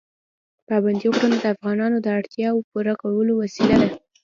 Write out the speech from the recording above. پابندي غرونه د افغانانو د اړتیاوو پوره کولو وسیله ده.